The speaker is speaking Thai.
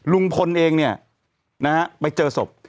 ลุงพลเองเนี่ยนะฮะไปเจอศพ